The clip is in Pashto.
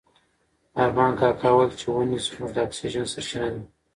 ارمان کاکا وویل چې ونې زموږ د اکسیجن سرچینه ده.